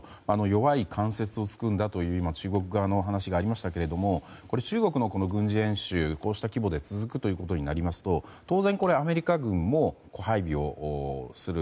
弱い関節を突くという中国側のお話がありましたが中国の軍事演習、こうした規模で続くことになりますと当然、アメリカ軍も配備をする。